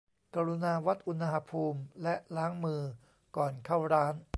กรุณาวัดอุณหภูมิและล้างมือก่อนเข้าร้าน